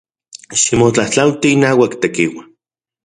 Ximotlajtlauati inauak Tekiua.